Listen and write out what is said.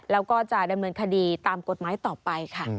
แล้วก็จะดำเนินคดีตามกฎหมายต่อไปค่ะ